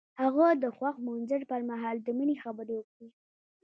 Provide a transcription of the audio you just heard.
هغه د خوښ منظر پر مهال د مینې خبرې وکړې.